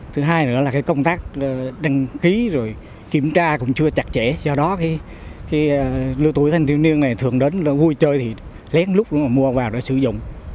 thứ hai nữa là cái công tác đăng ký rồi kiểm tra cũng chưa chặt chẽ do đó cái lưu tuổi thanh tiêu niên này thường đến là vui chơi thì lén lút mà mua vào để sử dụng